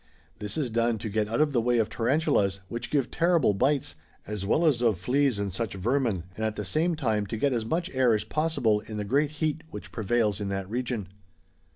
This is done to get out of the way of tarantulas which give terrible bites, as well as of fieas and such vermin, and at the same time to get as much air as possible in the great heat which prevails in that region.